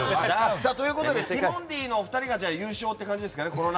ティモンディのお二人が優勝という感じですかね。